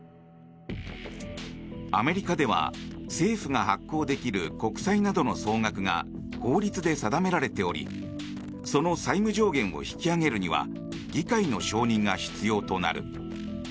アメリカでは、政府が発行できる国債などの総額が法律で定められておりその債務上限を引き上げるには議会の承認が必要となる。